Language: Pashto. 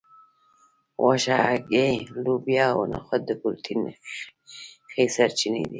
غوښه هګۍ لوبیا او نخود د پروټین ښې سرچینې دي